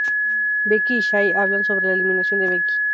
Becky y Shay hablan sobre la eliminación de Becky.